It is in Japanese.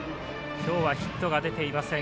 今日はヒットが出ていません